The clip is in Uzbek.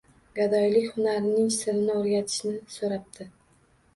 Gadoylik hunarining sirini o’rgatishni so’rabdi.